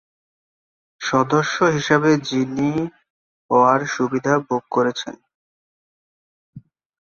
সদস্য হিসেবে যিনি হওয়ার সুবিধা ভোগ করছেন।